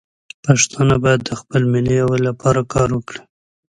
پښتانه باید د خپل ملي یووالي لپاره کار وکړي.